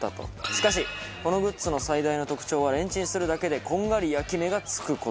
しかしこのグッズの最大の特徴はレンチンするだけでこんがり焼き目がつく事。